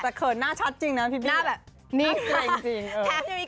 แต่เขินหน้าชัดจริงนะพี่บี้หน้าแบบนายเป็นแผ่งจริง